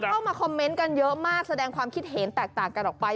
เข้ามาคอมเมนต์กันเยอะมากแสดงความคิดเห็นแตกต่างกันออกไป